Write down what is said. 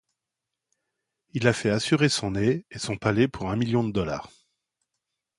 Il a fait assurer son nez et son palais pour un million de dollars.